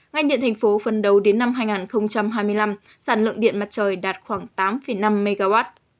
ngành điện thành phố phần đầu đến năm hai nghìn hai mươi năm sản lượng điện mặt trời đạt khoảng tám năm mw